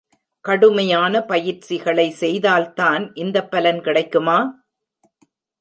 கடுமையான பயிற்சிகளை செய்தால் தான் இந்த பலன் கிடைக்குமா?